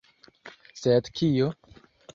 Sed kio?